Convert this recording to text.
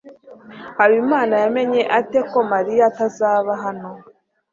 habimana yamenye ate ko mariya atazaba hano